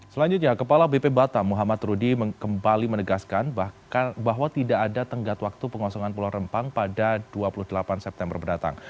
selanjutnya kepala bp batam muhammad rudi kembali menegaskan bahwa tidak ada tenggat waktu pengosongan pulau rempang pada dua puluh delapan september mendatang